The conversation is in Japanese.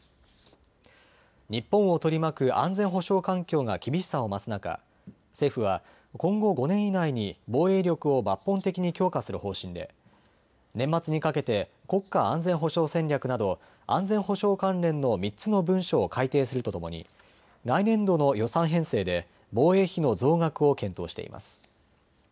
日本を取り巻く安全保障環境が厳しさを増す中、政府は今後５年以内に防衛力を抜本的に強化する方針で年末にかけて国家安全保障戦略など安全保障関連の３つの文書を改定するとともに来年度の予算編成で防衛費の増額を検討しています。